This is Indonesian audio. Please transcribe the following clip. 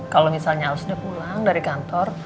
kalau misalnya harusnya pulang dari kantor